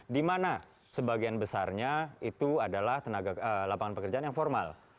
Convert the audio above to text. dimana sebagian besarnya itu adalah lapangan pekerjaan yang formal